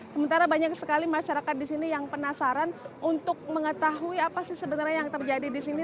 sementara banyak sekali masyarakat disini yang penasaran untuk mengetahui apa sih sebenarnya yang terjadi disini